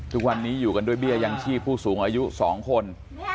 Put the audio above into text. ทุกวันนี้อยู่กันด้วยเบี้ยยังชีพผู้สูงอายุ๒คน